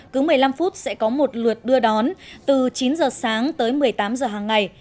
cứ một mươi năm phút sẽ có một lượt đưa đón từ chín giờ sáng tới một mươi tám giờ hàng ngày